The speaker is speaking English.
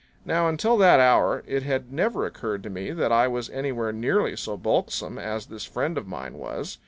Now until that hour it had never occurred to me that I was anywhere nearly so bulksome as this friend of mine was.